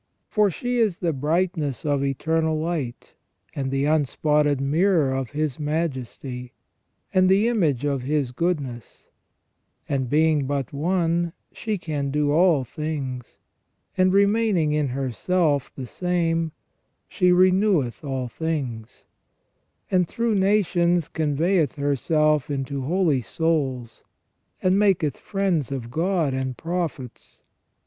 .,. For she is the brightness of eternal light, and the unspotted mirror of His Majesty, and the image of His goodness, and being but one, she can do all things : and remaining in herself the same, she reneweth all things, and through nations conveyeth herself into holy souls, and maketh friends of God and prophets.